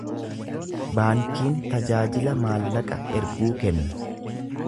Baankiin tajaajila maallaqa erguu kenna.